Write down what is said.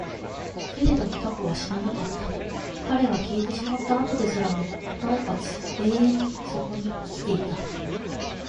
けれども蛸は死ななかった。彼が消えてしまった後ですらも、尚且つ永遠にそこに生きていた。